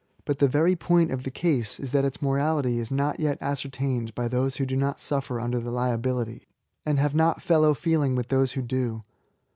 ' But the very point of the case is that its morality is not yet ascertained by those who do not suffer under the liability, and have not fellow feeling with those who do.